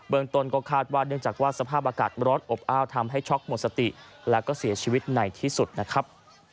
เมืองต้นก็คาดว่าเนื่องจากว่าสภาพอากาศร้อนอบอ้าวทำให้ช็อกหมดสติแล้วก็เสียชีวิตในที่สุดนะครับ